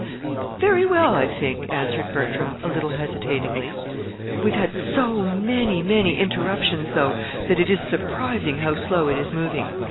"Very well, I think," answered Bertram, a little hesitatingly. "We've had so many, many interruptions, though, that it is surprising how slow it is moving.